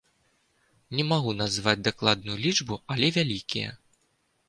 Не магу назваць дакладную лічбу, але вялікія.